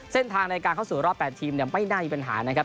ในการเข้าสู่รอบ๘ทีมไม่น่ามีปัญหานะครับ